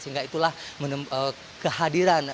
sehingga itulah kehadiran